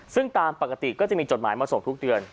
ซึ่งตามปกติก็จะมีจดหมายมาส่งทุกเดือน